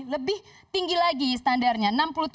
lebih tinggi lagi standarnya